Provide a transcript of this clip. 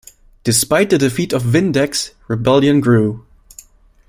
Despite the defeat of Vindex, rebellion grew.